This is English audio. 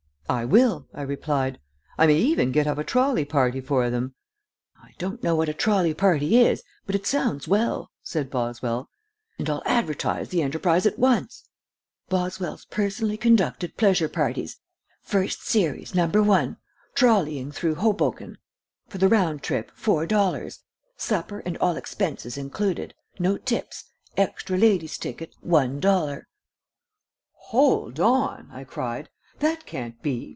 "I will," I replied; "I may even get up a trolley party for them." "I don't know what a trolley party is, but it sounds well," said Boswell, "and I'll advertise the enterprise at once. 'Boswell's Personally Conducted Pleasure Parties. First Series, No. 1. Trolleying Through Hoboken. For the Round Trip, Four Dollars. Supper and All Expenses Included. No Tips. Extra Lady's Ticket, One Dollar.'" "Hold on!" I cried. "That can't be.